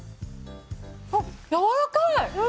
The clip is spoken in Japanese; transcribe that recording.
あっやわらかい！